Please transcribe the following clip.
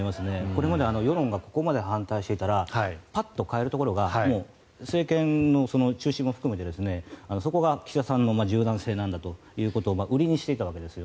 これまで世論がここまで反対していたらパッと変えるところが政権の中心も含めてそこが岸田さんの柔軟性なんだというところを売りにしていたわけです。